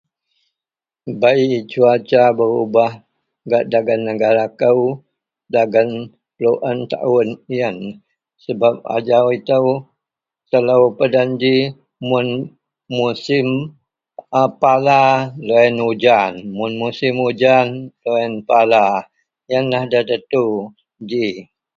Bei cuaca berubah gak dagen negara kou dagen peluen taon iyen sebab ajau ito telo peden ji mun musim a pala loyen ujan mun musim ujan loyen pala iyenlah da tentu ji.